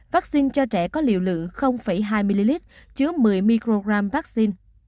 vaccine cho trẻ có liều lượng hai ml chứa một mươi mg vaccine